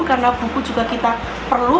karena buku juga kita perlu